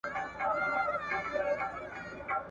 لمبه پر سر درته درځم جانانه هېر مي نه کې `